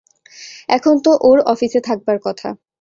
এখন তো ওঁর অফিসে থাকবায় কথা।